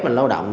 mình lao động